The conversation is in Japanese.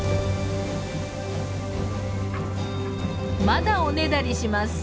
まだおねだりします。